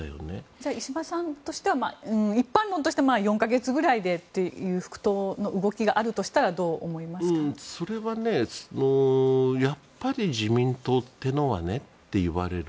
じゃあ石破さんとしては一般論として４か月ぐらいで復党という動きがあるとしたらそれは、やっぱり自民党っていうのはねって言われる。